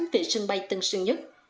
về sân bay tăng sơn nhất